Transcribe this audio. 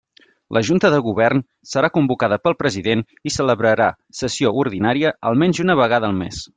La Junta de Govern serà convocada pel president i celebrarà sessió ordinària almenys una vegada al mes.